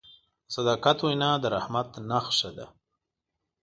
د صداقت وینا د رحمت نښه ده.